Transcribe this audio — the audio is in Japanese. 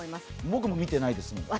僕も見てないです。